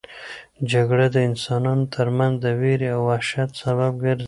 جګړه د انسانانو ترمنځ د وېرې او وحشت سبب ګرځي.